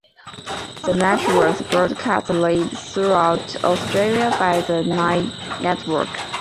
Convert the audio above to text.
The match was broadcast live throughout Australia by the Nine Network.